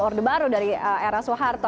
orde baru dari era soeharto